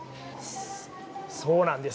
そうなんです。